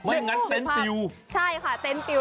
อย่างนั้นเต็นต์ปิวใช่ค่ะเต็นต์ปิว